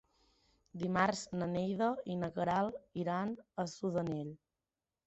Dimarts na Neida i na Queralt iran a Sudanell.